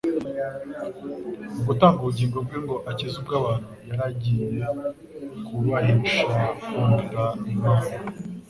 Mu gutanga ubugingo bwe ngo akize ubw'abantu yari agiye kubahesha kumvira Imana.